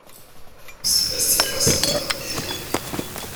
si ves tierra, silba ,¿ eh?